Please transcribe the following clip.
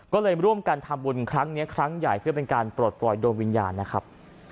ก็เลยร่วมกันทำบุญครั้งนี้ครั้งใหญ่เพื่อเป็นการปลดปล่อยดวงวิญญาณนะครับ